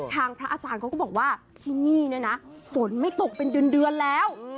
พระอาจารย์เขาก็บอกว่าที่นี่เนี่ยนะฝนไม่ตกเป็นเดือนแล้ว